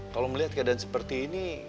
kalau melihat keadaan seperti ini